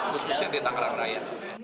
khususnya di tanggerang rakyat